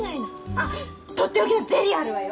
あっ取って置きのゼリーあるわよ。